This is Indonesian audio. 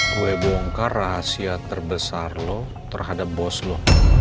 kue bongkar rahasia terbesar lo terhadap bos lo